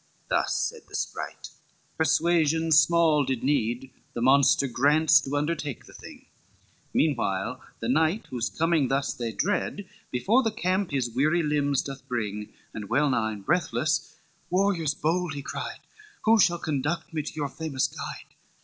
Thus said the sprite. Persuasion small did need, The monster grants to undertake the thing. Meanwhile the knight, whose coming thus they dread, Before the camp his weary limbs doth bring, And well nigh breathless, "Warriors bold," he cried, "Who shall conduct me to your famous guide?"